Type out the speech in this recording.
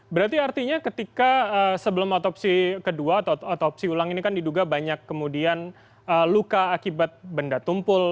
berarti artinya ketika sebelum otopsi kedua atau otopsi ulang ini kan diduga banyak kemudian luka akibat benda tumpul